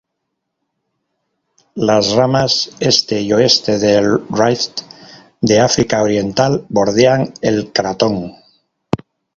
Las ramas este y oeste del rift de África Oriental bordean el cratón.